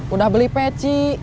udah beli peci